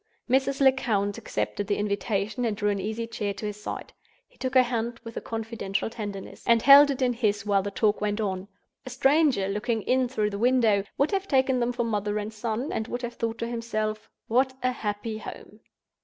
Mrs. Lecount accepted the invitation and drew an easy chair to his side. He took her hand with a confidential tenderness, and held it in his while the talk went on. A stranger, looking in through the window, would have taken them for mother and son, and would have thought to himself: "What a happy home!"